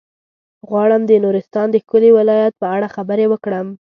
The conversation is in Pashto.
غواړم د نورستان د ښکلي ولايت په اړه خبرې وکړم.